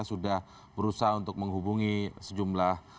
sudah berusaha untuk menghubungi sejumlah